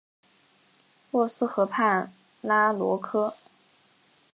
洛斯河畔拉罗科。